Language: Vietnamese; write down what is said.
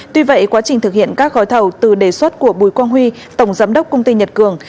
tuy vậy quá trình thực hiện các gói thầu từ đề xuất của bùi quang huy tổng giám đốc công ty nhật cường